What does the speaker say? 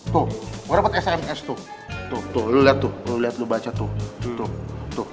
tuh gue dapet sms tuh tuh lo liat tuh lo baca tuh